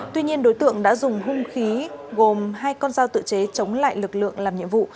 tuy nhiên đối tượng đã dùng hung khí gồm hai con dao tự chế chống lại lực lượng làm nhiệm vụ